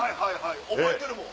覚えてるもん。